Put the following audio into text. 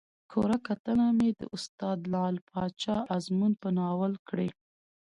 کره کتنه مې د استاد لعل پاچا ازمون په ناول کړى